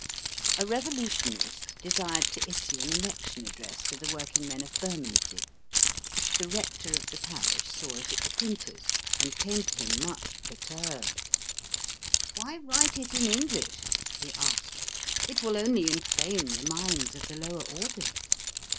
A Revolutionist desired to issue an Election Address to the Working Men of Bermondsey. The Rector of the Parish saw it at the printer's, and came to him, much perturbed. "Why write it in English?" he asked. "It will only inflame the minds of the lower orders.